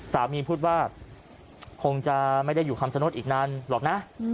พูดว่าคงจะไม่ได้อยู่คำชโนธอีกนานหรอกนะ